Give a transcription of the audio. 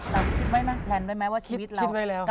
เราคิดไว้ไหมแพลนไว้ไหมว่าชีวิตเราคิดไว้เร็ว